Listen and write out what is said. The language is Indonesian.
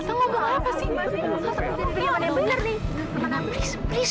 mbak mbak mbak